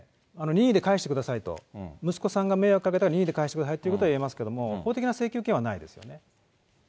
任意で返してくださいと、息子さんが迷惑かけたので、任意で返してくださいということは言えますけども、法的な請求権はないですよね。